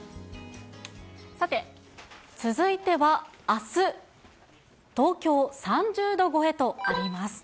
さて、続いてはあす、東京３０度超えとなります。